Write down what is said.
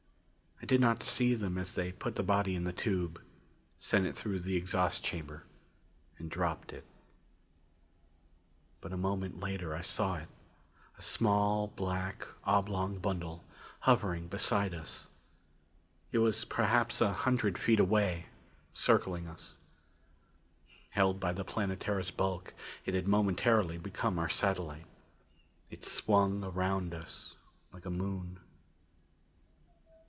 I did not see them as they put the body in the tube, sent it through the exhaust chamber and dropped it. But a moment later I saw it, a small black, oblong bundle hovering beside us. It was perhaps a hundred feet away, circling us. Held by the Planetara's bulk, it had momentarily become our satellite. It swung around us like a moon.